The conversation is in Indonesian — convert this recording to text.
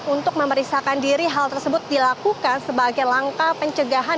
untuk memeriksakan diri hal tersebut dilakukan sebagai langkah pencegahan